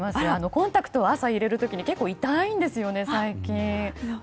コンタクトを朝入れる時に最近、結構痛いんです。